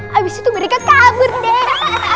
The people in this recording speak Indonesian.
habis itu mereka kabur deh